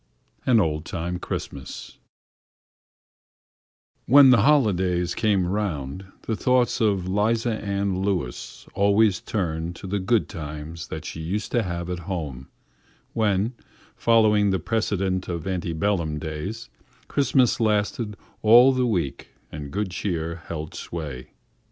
AN OLD TIME CHRISTMAS When the holidays came round the thoughts of 'Liza Ann Lewis always turned to the good times that she used to have at home when, following the precedent of anti bellum days, Christmas lasted all the week and good cheer held sway.